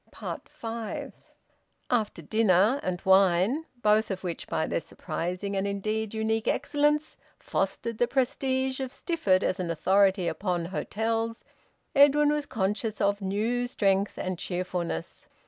FIVE. After dinner, and wine, both of which, by their surprising and indeed unique excellence, fostered the prestige of Stifford as an authority upon hotels, Edwin was conscious of new strength and cheerfulness.